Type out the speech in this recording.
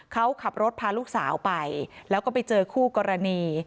เขาขับรถพาลูกสาวไปแล้วก็ไปเจอคู่กรณี